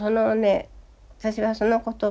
私はその言葉はね